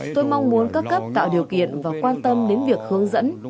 tôi mong muốn các cấp tạo điều kiện và quan tâm đến việc hướng dẫn